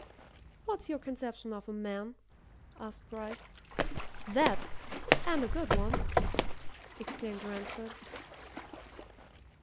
"What's your conception of a man?" asked Bryce. "That! and a good one," exclaimed Ransford.